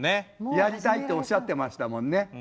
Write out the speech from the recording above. やりたいっておっしゃってましたもんね。